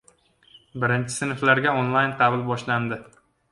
Birinchi sinflarga onlayn qabul boshlandi